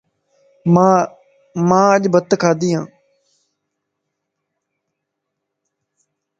مان اڃ بت کادينيَ